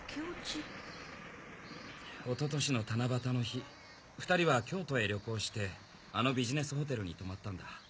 一昨年の七夕の日２人は京都へ旅行してあのビジネスホテルに泊まったんだ。